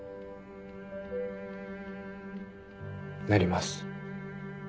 なります。